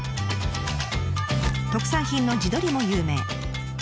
特産品の地鶏も有名。